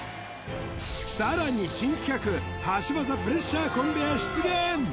さらに新企画箸技プレッシャーコンベア出現！